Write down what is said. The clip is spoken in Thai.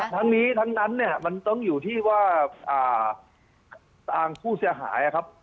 ทั้งนี้ทั้งนั้นเนี่ยมันต้องอยู่ที่ว่าทางผู้เสียหายนะครับ